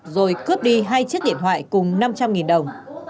rồi cướp đi hai chiếc điện thoại cùng năm trăm linh đồng